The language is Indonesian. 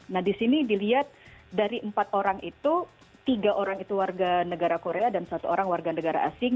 nah di sini dilihat dari empat orang itu tiga orang itu warga negara korea dan satu orang warga negara asing